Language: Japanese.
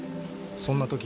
そんな時。